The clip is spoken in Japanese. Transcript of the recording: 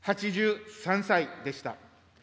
８３歳でした。